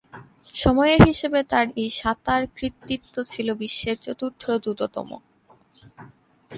সময়ের হিসেবে তার এই সাঁতার কৃতিত্ব ছিল বিশ্বের চতুর্থ দ্রুততম।